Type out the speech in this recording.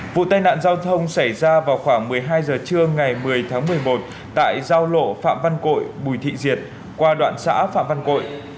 vụ tai nạn giao thông xảy ra vào khoảng một mươi hai h trưa ngày một mươi tháng một mươi một tại giao lộ phạm văn cội bùi thị diệp qua đoạn xã phạm văn cội